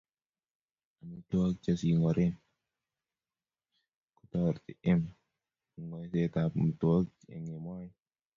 Amitwogik che singoren kotoreti eng ngoisetab amitwogik eng moet